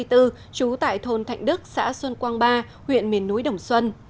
trú tại thôn thạnh đức xã xuân quang ba huyện miền núi đồng xuân